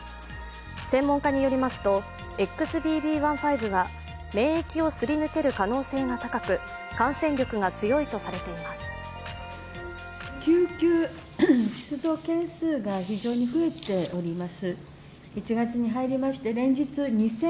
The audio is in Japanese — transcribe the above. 専門家によりますとＸＢＢ．１．５は免疫をすり抜ける可能性が高く感染力が強いとされています。